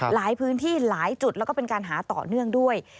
หลายพื้นที่หลายจุดแล้วก็เป็นการหาต่อเนื่องด้วย